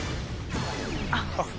あっ。